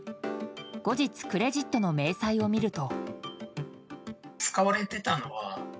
後日クレジットの明細を見ると。